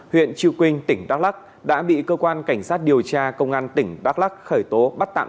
huyện trư quynh tỉnh đắk lắc đã bị cơ quan cảnh sát điều tra công an tỉnh đắk lắc khởi tố bắt tạm